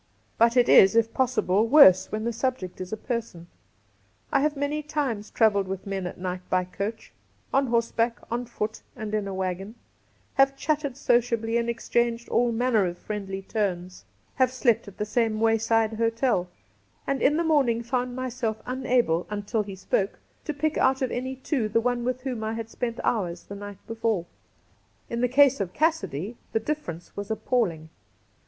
But it is, if possible, worse when the subject is a person. I have many times travelled with men at night by coaqh, on horseback, on foot, and in a waggon ; have chatted sociably and exchanged all manner of friendly turns ; have slept at the same wayside 9—2 132 Cassidy hotel, and in the morning found myself unable, until he spoke, to pick out of any two the one with whom I had spent hours the night before. In the case of Cassidy the difference was ap palling.